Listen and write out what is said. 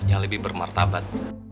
yang lebih bermartabat